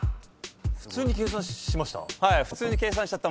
普通に計算しちゃった。